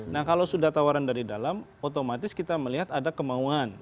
nah kalau sudah tawaran dari dalam otomatis kita melihat ada kemauan